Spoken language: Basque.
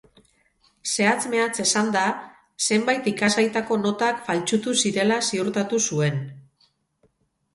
Zehatz-mehatz esanda, zenbait ikasgaitako notak faltsutu zirela ziurtatu zuen.